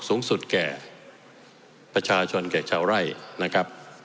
สูงสุดแก่ประชาชนแก่ชาวไร่นะครับ